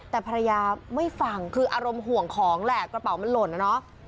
แต่ภรรยาไม่ฟังคืออารมณ์ห่วงของแหละกระเป๋ามันหล่นนะเนาะ